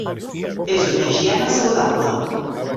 És una higiene saludable.